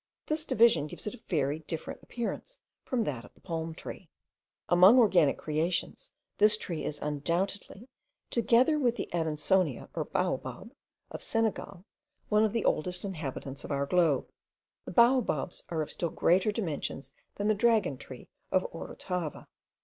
This division gives it a very different appearance from that of the palm tree. Among organic creations, this tree is undoubtedly, together with the Adansonia or baobab of Senegal, one of the oldest inhabitants of our globe. The baobabs are of still greater dimensions than the dragon tree of Orotava.